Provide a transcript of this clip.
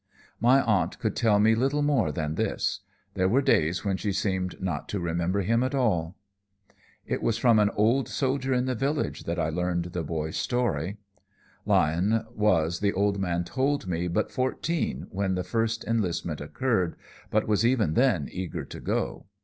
"My aunt could tell me little more than this. There were days when she seemed not to remember him at all. "It was from an old soldier in the village that I learned the boy's story. Lyon was, the old man told me, but fourteen when the first enlistment occurred, but was even then eager to go.